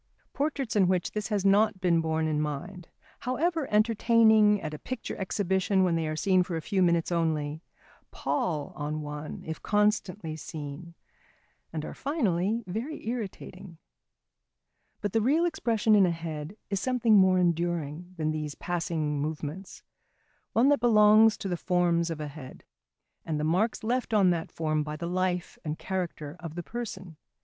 Portraits in which this has not been borne in mind, however entertaining at a picture exhibition, when they are seen for a few moments only, pall on one if constantly seen, and are finally very irritating. But the real expression in a head is something more enduring than these passing movements: one that belongs to the forms of a head, and the marks left on that form by the life and character of the person.